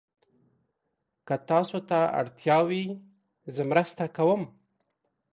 که تاسو ته اړتیا وي، زه مرسته کوم.